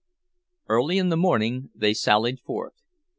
Early in the morning they sallied forth.